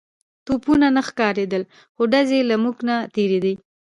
توپونه نه ښکارېدل خو ډزې يې له موږ نه تېرېدې.